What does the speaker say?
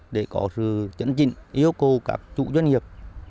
để có sự chấn chỉnh yêu cầu các chủ doanh nghiệp